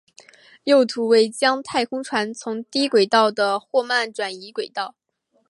右图为将太空船从低轨道的霍曼转移轨道。